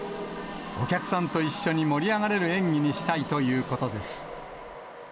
お客さんと一緒に盛り上がれる演技にしたいということです。